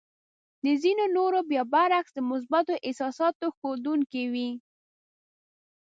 د ځينو نورو بيا برعکس د مثبتو احساساتو ښودونکې وې.